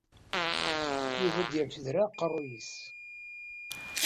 Yuba ur d-yerfid ara aqerruy-is.